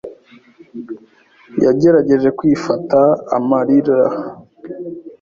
yagerageje kwifata amarira.